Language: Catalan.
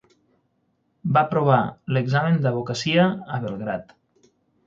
Va aprovar l'examen d'advocacia a Belgrad.